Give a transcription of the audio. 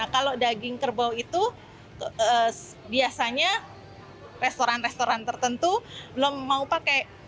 kalau daging kerbau itu biasanya restoran restoran tertentu belum mau pakai